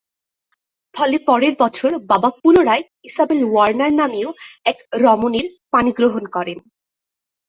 ফলে পরের বছর বাবা পুনরায় "ইসাবেল ওয়ার্নার" নামীয় এক রমণীর পাণিগ্রহণ করেন।